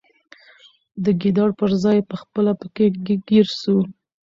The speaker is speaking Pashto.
د ګیدړ پر ځای پخپله پکښي ګیر سو